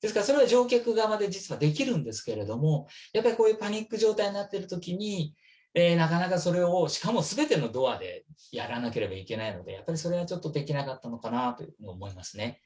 ですからそれは乗客側で、実はできるんですけれども、やっぱりこういうパニック状態になっているときに、なかなかそれを、しかもすべてのドアでやらなければいけないので、やっぱりそれはちょっとできなかったのかなと思いますね。